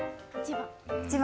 １番。